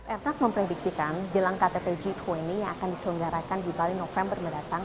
airtak memprediksikan jelang ktt g dua puluh yang akan diselenggarakan di bali november mendatang